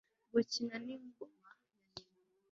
Gukina ningoma ya nyina